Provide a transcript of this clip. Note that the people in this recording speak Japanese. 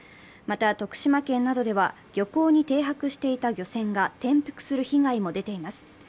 また、徳島県などでは漁港に停泊していた漁船が転覆する被害も出ています。